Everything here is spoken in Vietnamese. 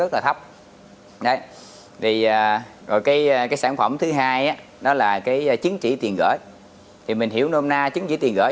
rồi cái cái sản phẩm thứ hai đó là cái chứng chỉ tiền gửi thì mình hiểu nôm na chứng chỉ tiền gửi